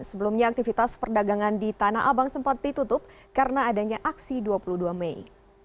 sebelumnya aktivitas perdagangan di tanah abang sempat ditutup karena adanya aksi dua puluh dua mei